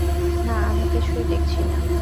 না, আমি কিছুই দেখছি না।